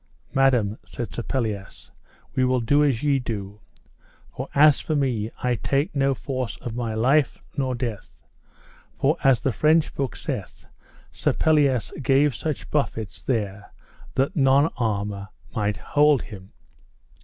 Madam, said Sir Pelleas, we will do as ye do, for as for me I take no force of my life nor death. For as the French book saith, Sir Pelleas gave such buffets there that none armour might hold him.